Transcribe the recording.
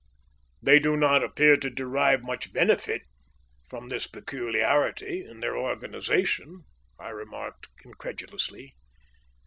"They do not appear to derive much benefit from this peculiarity in their organisation," I remarked incredulously.